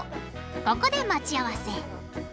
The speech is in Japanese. ここで待ち合わせ。